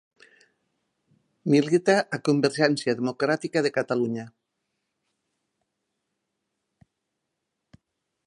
Milita a Convergència Democràtica de Catalunya.